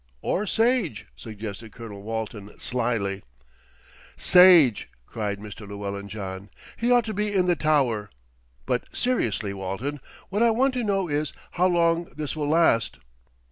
"Or Sage," suggested Colonel Walton slyly. "Sage!" cried Mr. Llewellyn John, "he ought to be in the Tower. But seriously, Walton. What I want to know is how long this will last?"